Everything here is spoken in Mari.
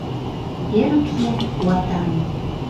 Эрык еҥ куатан